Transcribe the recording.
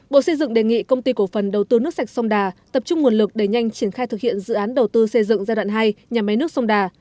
bộ xây dựng đề nghị công ty cổ phần đầu tư nước sạch sông đà tập trung nguồn lực để nhanh triển khai thực hiện dự án đầu tư xây dựng giai đoạn hai nhà máy nước sông đà